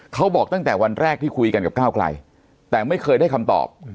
เขาบอกตั้งแต่วันแรกที่คุยกันกับก้าวไกลแต่ไม่เคยได้คำตอบ